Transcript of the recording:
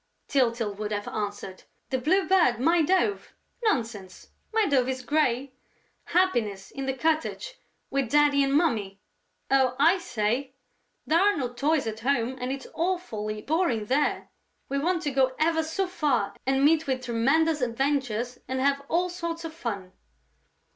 Tyltyl would have answered. "The Blue Bird, my dove? Nonsense: my dove is grey!... Happiness, in the cottage? With Daddy and Mummy? Oh, I say! There are no toys at home and it's awfully boring there: we want to go ever so far and meet with tremendous adventures and have all sorts of fun...."